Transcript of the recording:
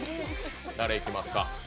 誰いきますか？